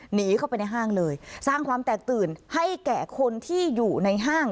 หนีเข้าไปในห้างเลยสร้างความแตกตื่นให้แก่คนที่อยู่ในห้าง